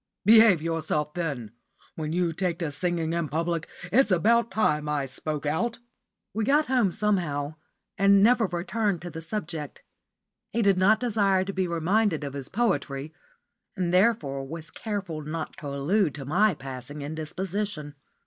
"Behave yourself, then. When you take to singing in public it's about time I spoke out." We got home somehow, and never returned to the subject. He did not desire to be reminded of his poetry, and therefore was careful not to allude to my passing indisposition.